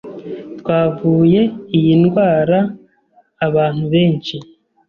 twavuye iyi indwara abantu benshi